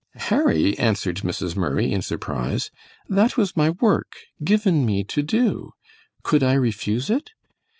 "Harry," answered Mrs. Murray, in surprise, "that was my work, given me to do. Could I refuse it?